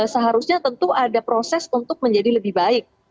seharusnya tentu ada proses untuk menjadi lebih baik